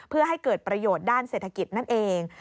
เพื่อให้เกิดประโยชน์ด้านเศรษฐกิจนั่นเอง